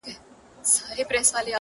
بله ورځ چي صحرايي راغی بازار ته.!